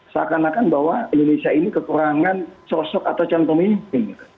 seakan akan bahwa indonesia ini kekurangan sosok atau calon pemimpin